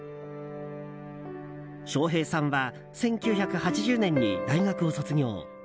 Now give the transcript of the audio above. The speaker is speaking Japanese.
笑瓶さんは１９８０年に大学を卒業。